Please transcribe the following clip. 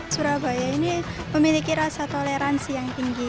surabaya ini memiliki rasa toleransi yang tinggi